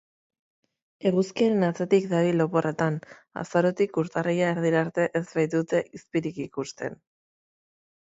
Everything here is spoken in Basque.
Eguzkiaren atzetik dabil oporretan, azarotik urtarrila erdira arte ez baitute izpirik ikusten.